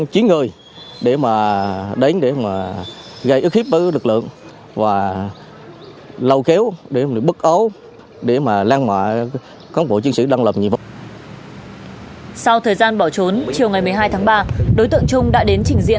chiều ngày một mươi hai tháng ba đối tượng trung đã đến trình diện